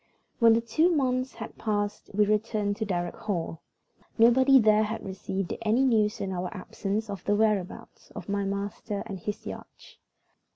WHEN the two months had passed we returned to Darrock Hall. Nobody there had received any news in our absence of the whereabouts of my master and his yacht.